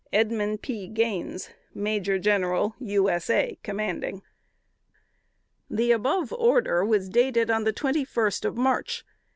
EDMUND P. GAINES, Maj. Gen. U. S. A., Commanding." The above order was dated on the twenty first of March.